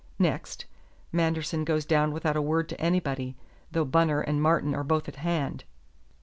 Next: Manderson goes down without a word to anybody, though Bunner and Martin are both at hand.